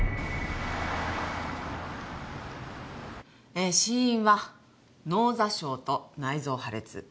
えー死因は脳挫傷と内臓破裂。